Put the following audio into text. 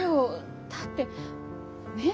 だってねえ。